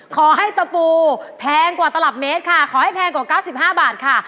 ตะปูแพงกว่าตลับเมตรค่ะขอให้แพงกว่า๙๕บาทค่ะ